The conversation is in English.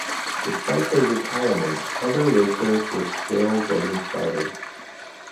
Despite the retirements, other racers were still getting started.